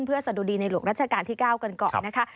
เพื่อสะดุดีในหลวงรัชกาลที่๙กันก่อนนะคะ